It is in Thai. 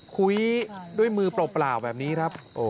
คุยด้วยมือเปล่าแบบนี้ครับ